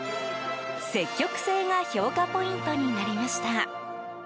積極性が評価ポイントになりました。